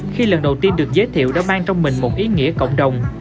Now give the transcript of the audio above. khi lần đầu tiên được giới thiệu đã mang trong mình một ý nghĩa cộng đồng